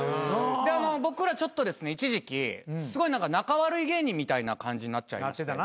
で僕らちょっとですね一時期すごい仲悪い芸人みたいな感じになっちゃいまして。